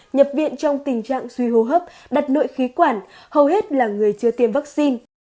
nhập viện trong tình trạng suy hô hấp đặt nội khí quản hầu hết là người chưa tiêm vaccine